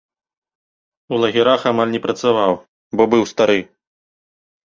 У лагерах амаль не працаваў, бо быў стары.